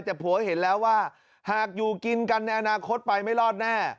แต่ผัวเห็นแล้วว่าหากอยู่กินกันในอนาคตไปไม่รอดแน่